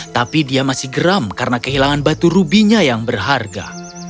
tapi dia masih geram karena kehilangan batu rubinya yang berharga